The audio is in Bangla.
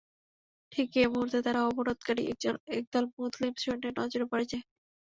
ঠিক এ মুহূর্তে তারা অবরোধকারী একদল মুসলিম সৈন্যের নজরে পড়ে যায়।